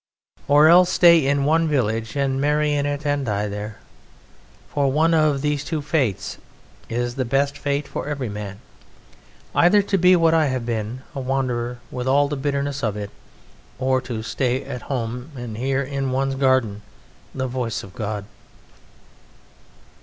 Or else stay in one village and marry in it and die there. For one of these two fates is the best fate for every man. Either to be what I have been, a wanderer with all the bitterness of it, or to stay at home and hear in one's garden the voice of God.